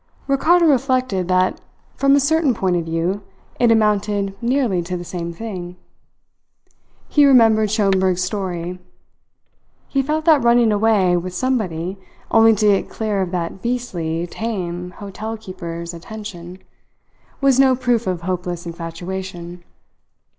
Ricardo reflected that from a certain point of view it amounted nearly to the same thing. He remembered Schomberg's story. He felt that running away with somebody only to get clear of that beastly, tame, hotel keeper's attention was no proof of hopeless infatuation.